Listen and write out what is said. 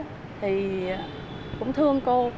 thì cũng thương cô